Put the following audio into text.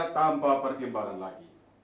tanpa pergimbalan lagi